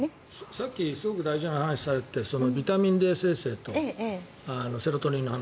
さっきすごく大事な話をされていてビタミンＤ生成とセロトニンの話。